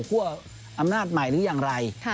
คั่วอำนาจใหม่หรืออย่างไร